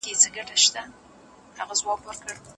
هغه مهال چې ښځې زده کړه ترلاسه کړي، ټولنیز شاتګ نه دوام کوي.